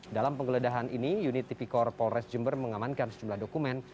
dalam penggeledahan ini unit tipikor polres jember mengamankan sejumlah dokumen